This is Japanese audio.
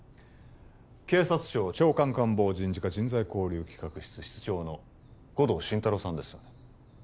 警察庁長官官房人事課人材交流企画室室長の護道心太朗さんですよね？